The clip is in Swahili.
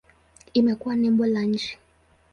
Imekuwa nembo la nchi.